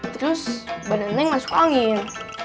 terus berenang masuk angin